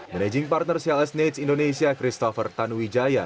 managing partner cls knage indonesia christopher tanuwijaya